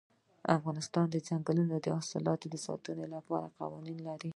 افغانستان د دځنګل حاصلات د ساتنې لپاره قوانین لري.